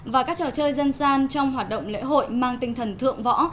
và các trò chơi dân gian trong hoạt động lễ hội mang tinh thần thượng võ